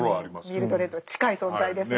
ミルドレッド近い存在ですね。